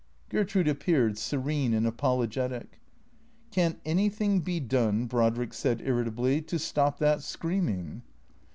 Gertrude appeared, serene and apologetic. " Can't anything be done," Brodrick said irritably, " to stop that screaming?